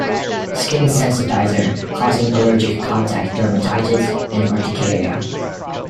Skin sensitizer - causing allergic contact dermatitis and urticaria.